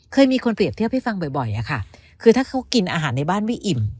เคยมีคนเปรียบเทียบให้ฟังบ่อยอะค่ะคือถ้าเขากินอาหารในบ้านไม่อิ่ม